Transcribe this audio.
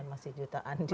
masih jutaan juga ya